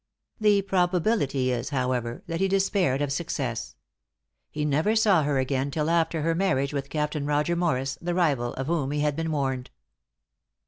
The probability is, however, that he despaired of success. He never saw her again till after her marriage with Captain Roger Morris, the rival of whom he had been warned.